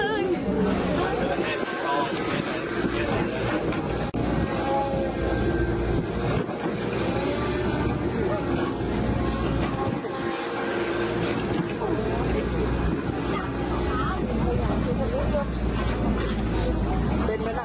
เจ้าแม่จักรเคียนเข้าสิงหร่างอ่าไปดูภาพเลยครับ